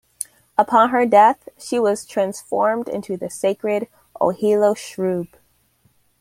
Upon her death, she was transformed into the sacred 'Ohelo shrub.